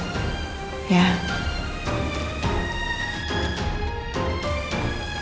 kamu tenang dulu